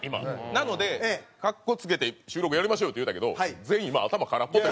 なので格好付けて収録やりましょうよって言うたけど全員今頭空っぽ。